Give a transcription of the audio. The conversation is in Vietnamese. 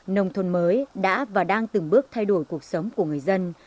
nông thôn mới đã và đang từng bước thay đổi cuộc sống của người dân